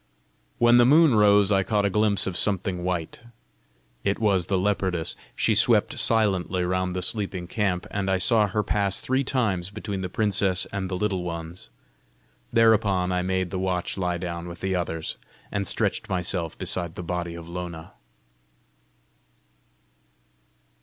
When the moon rose I caught a glimpse of something white; it was the leopardess. She swept silently round the sleeping camp, and I saw her pass three times between the princess and the Little Ones. Thereupon I made the watch lie down with the others, and stretched myself beside the body of Lona.